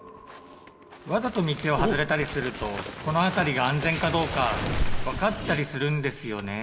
わざと道を外れたりするとこの辺りが安全かどうか分かったりするんですよねぇ。